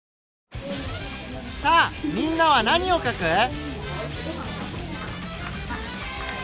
さあみんなは何をかく？